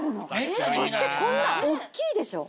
そしてこんな大っきいでしょ。